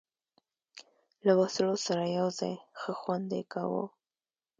له وسلو سره یو ځای، ښه خوند یې کاوه.